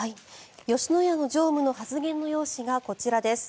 吉野家の常務の発言の要旨がこちらです。